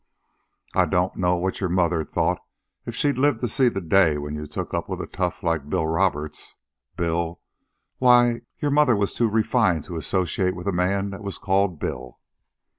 "I don't know what your mother'd thought if she lived to see the day when you took up with a tough like Bill Roberts. Bill! Why, your mother was too refined to associate with a man that was called Bill.